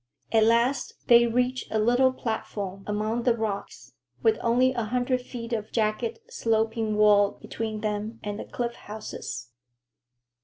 At last they reached a little platform among the rocks, with only a hundred feet of jagged, sloping wall between them and the cliff houses.